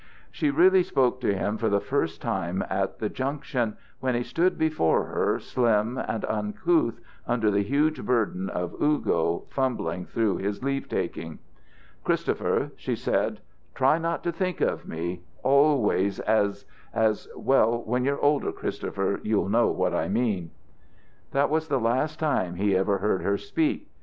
She really spoke to him for the first time at the Junction, when he stood before her, slim and uncouth under the huge burden of "Ugo," fumbling through his leave taking. "Christopher," she said, "try not to think of me always as as well, when you're older, Christopher, you'll know what I mean." That was the last time he ever heard her speak.